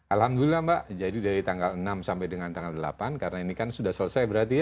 alhamdulillah mbak jadi dari tanggal enam sampai dengan tanggal delapan karena ini kan sudah selesai berarti ya